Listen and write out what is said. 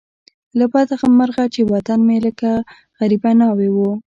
له بده مرغه چې وطن مې لکه غریبه ناوې وو.